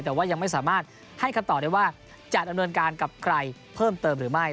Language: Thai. แต่ว่ายังไม่สามารถให้คำตอบได้ว่าจะดำเนินการกับใครเพิ่มเติมหรือไม่